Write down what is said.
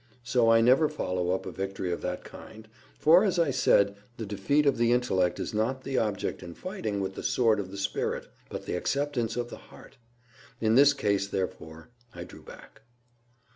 So I never follow up a victory of that kind, for, as I said, the defeat of the intellect is not the object in fighting with the sword of the Spirit, but the acceptance of the heart. In this case, therefore, I drew back.